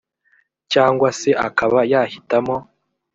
cyangwa se akaba yahitamo